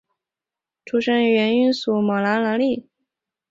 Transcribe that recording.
出生于原英属索马利兰。